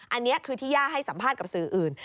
อันนี้คือที่ย่าให้สัมภาษณ์กับสื่ออื่น